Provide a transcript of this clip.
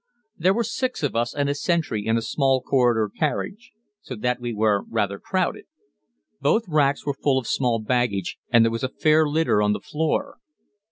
There were six of us and a sentry in a small corridor carriage, so that we were rather crowded; both racks were full of small baggage, and there was a fair litter on the floor.